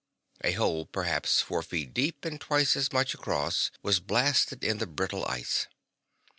A hole perhaps four feet deep and twice as much across was blasted in the brittle ice.